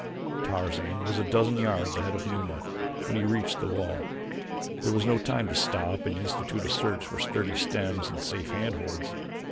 Tarzan was a dozen yards ahead of Numa when he reached the wall. There was no time to stop and institute a search for sturdy stems and safe handholds.